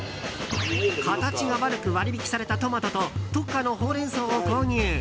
形が悪く割引されたトマトと特価のほうれん草を購入。